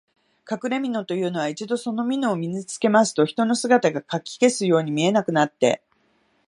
かくれみのというのは、一度そのみのを身につけますと、人の姿がかき消すように見えなくなって、